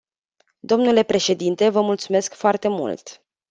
Domnule președinte, vă mulțumesc foarte mult.